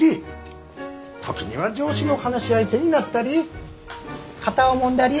時には上司の話し相手になったり肩をもんだり。